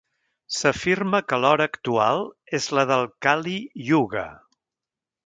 S'afirma que l'hora actual és la del "kali yuga".